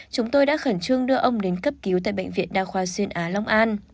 chúng tôi đã khẩn trương đưa ông đến cấp cứu tại bệnh viện đa khoa xuyên á long an